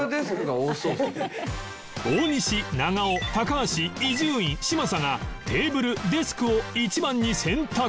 大西長尾高橋伊集院嶋佐がテーブル・デスクを１番に選択